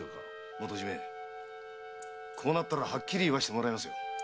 元締こうなったらはっきり言わせてもらいますよ。